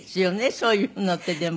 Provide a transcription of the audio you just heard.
そういうのってでも。